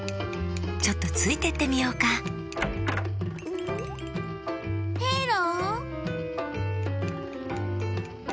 ちょっとついてってみようかペロ？